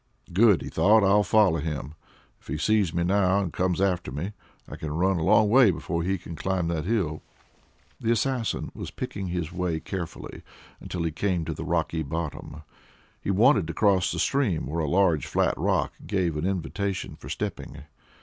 "Good!" he thought; "I'll follow him. If he sees me now, and comes after me, I can run a long way before he can climb that hill." The assassin was picking his way carefully until he came to the rocky bottom. He wanted to cross the stream where a large flat rock gave an invitation for stepping.